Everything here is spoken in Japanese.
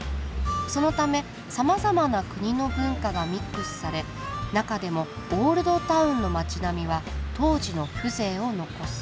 そのためさまざまな国の文化がミックスされ中でもオールドタウンの町並みは当時の風情を残す」。